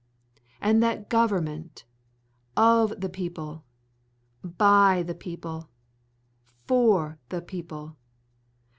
and that government of the people. . .by the people. . .for the people. .